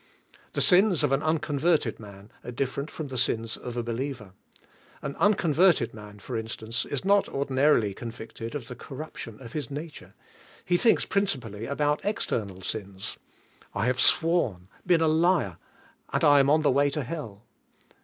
The sins of an unconverted man are different from the sins of a believer. An unconverted man, for instance, is not ordinaril}? convicted of the corruption of his nature ; he thinks principally about external sins, — "I have sworn, been a liar, and I am on the v^^ay to hell."